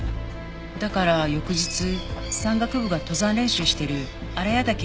だから翌日山岳部が登山練習してる荒谷岳に行きました。